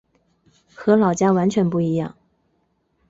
和老家完全不一样